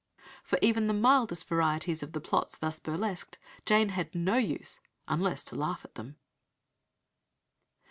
For even the mildest varieties of the plots thus burlesqued Jane had no use, unless to laugh at them.